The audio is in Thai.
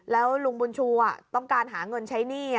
แล้วลุงบุญชูต้องการหาเงินใช้หนี้